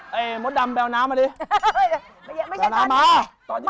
เฮ้วบดำแบวน้ำมาดี้